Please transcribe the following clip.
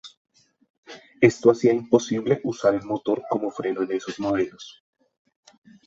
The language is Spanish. Esto hacía imposible usar el motor como freno en esos modelos.